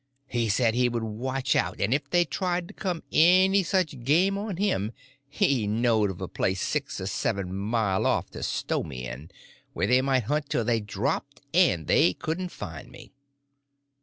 He said he would watch out, and if they tried to come any such game on him he knowed of a place six or seven mile off to stow me in, where they might hunt till they dropped and they couldn't find me.